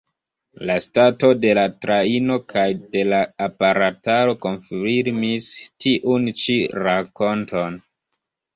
La stato de la trajno kaj de la aparataro konfirmis tiun ĉi rakonton.